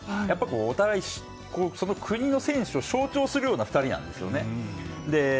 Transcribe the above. お互い、その国の選手を象徴するような２人なんですよね。